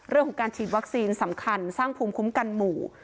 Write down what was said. เรื่องของการฉีดวัคซีนสำคัญสร้างภูมิคุ้มกันหมู่